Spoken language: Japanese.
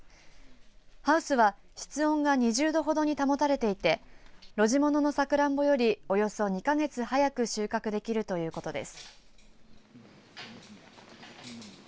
ハウスは室温が２０度ほどに保たれていて露地物のさくらんぼよりおよそ２か月早く収穫できるということです。